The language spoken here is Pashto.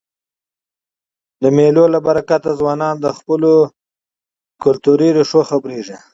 د مېلو له برکته ځوانان له خپلو کلتوري ریښو خبريږي.